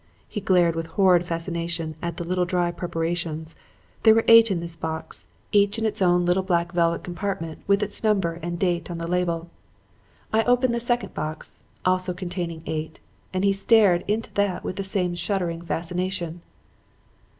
He glared with horrid fascination at the little dry preparations there were eight in this box, each in its own little black velvet compartment with its number and date on the label. I opened the second box also containing eight and he stared into that with the same shuddering fascination.